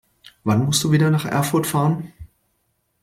Wann musst du wieder nach Erfurt fahren?